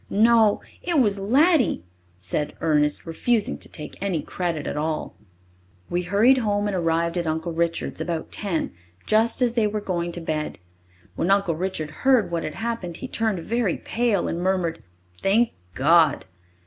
"No, it was Laddie," said Ernest, refusing to take any credit at all. We hurried home and arrived at Uncle Richard's about ten, just as they were going to bed. When Uncle Richard heard what had happened, he turned very pale, and murmured, "Thank God!"